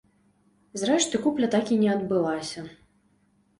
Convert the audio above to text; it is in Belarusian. Зрэшты купля так і не адбылася.